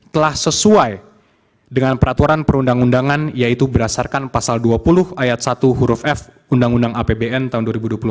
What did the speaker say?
telah sesuai dengan peraturan perundang undangan yaitu berdasarkan pasal dua puluh ayat satu huruf f undang undang apbn tahun dua ribu dua puluh empat